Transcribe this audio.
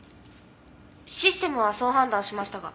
システムはそう判断しましたが。